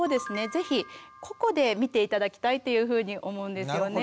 ぜひ個々で見て頂きたいというふうに思うんですよね。